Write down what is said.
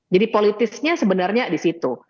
jadi politisnya sebenarnya di situ